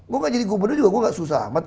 gue nggak jadi gubernur juga gue nggak susah amat